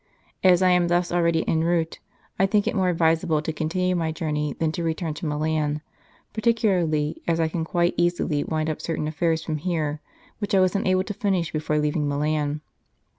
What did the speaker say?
As I am thus already en route, I think it more advisable to continue my journey than to return to Milan, particularly as I can quite easily wind up certain affairs from here which I was unable to finish before leaving Milan.